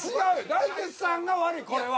大吉さんが悪いこれは。